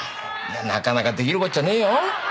なかなか出来るこっちゃねえよ。